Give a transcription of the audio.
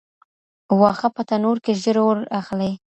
واښه په تنور کي ژر اور اخلي.